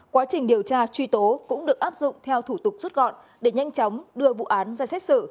quá trình điều tra truy tố cũng được áp dụng theo thủ tục rút gọn để nhanh chóng đưa vụ án ra xét xử